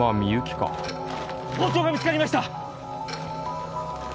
包丁が見つかりました！